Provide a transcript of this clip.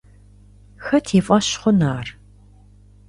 Хэт и фӏэщ хъун ар?